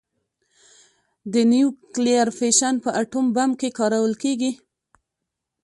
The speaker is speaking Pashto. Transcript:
د نیوکلیر فیشن په اټوم بم کې کارول کېږي.